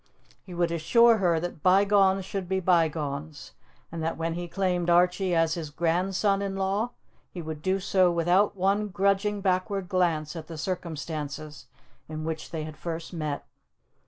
He would assure her that bygones should be bygones, and that when he claimed Archie as his grandson in law, he would do so without one grudging backward glance at the circumstances in which they had first met.